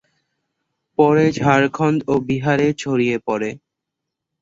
পরে ঝাড়খণ্ড ও বিহার-এ ছড়িয়ে পড়ে।